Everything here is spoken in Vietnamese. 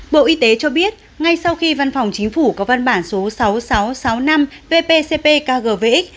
bộ y tế cho biết ngay sau khi văn phòng chính phủ có văn bản số sáu nghìn sáu trăm sáu mươi năm vpcp kgvx